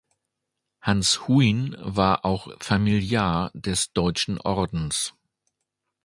Hans Huyn war auch Familiar des Deutschen Ordens.